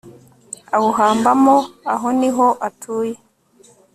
awuhambamo aho ni ho atuye